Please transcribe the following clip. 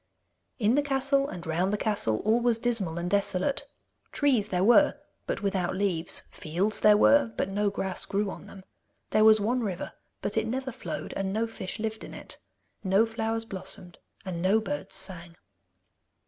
In the castle, and round the castle all was dismal and desolate. Trees there were, but without leaves; fields there were, but no grass grew on them. There was one river, but it never flowed and no fish lived in it. No flowers blossomed, and no birds sang.